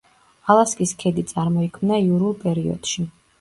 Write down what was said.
ალასკის ქედი წარმოიქმნა იურულ პერიოდში.